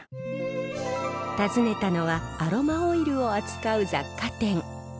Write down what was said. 訪ねたのはアロマオイルを扱う雑貨店。